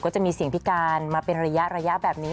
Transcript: จะมีเสียงพิการมาเป็นระยะแบบนี้